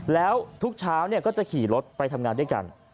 แล้วทุกเช้าก็จะขี่รถไปทำงานด้วยกัน